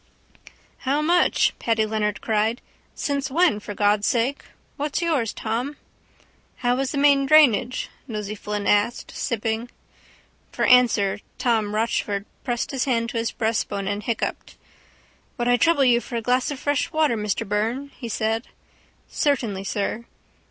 —How much? Paddy Leonard cried. Since when, for God' sake? What's yours, Tom? —How is the main drainage? Nosey Flynn asked, sipping. For answer Tom Rochford pressed his hand to his breastbone and hiccupped. —Would I trouble you for a glass of fresh water, Mr Byrne? he said. —Certainly, sir.